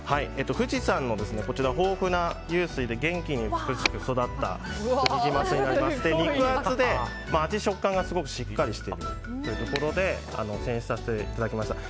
富士山の豊富な湧水で元気に美しく育ったニジマスになりまして肉厚でアジ、食感がすごくしっかりしているというところで選出させていただきました。